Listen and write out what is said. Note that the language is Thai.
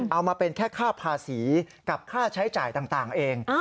เอามาเป็นแค่ค่าภาษีกับค่าใช้จ่ายต่างเอง